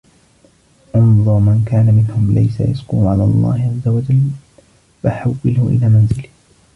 اُنْظُرْ مَنْ كَانَ مِنْهُمْ لَيْسَ رِزْقُهُ عَلَى اللَّهِ عَزَّ وَجَلَّ فَحَوِّلْهُ إلَى مَنْزِلِي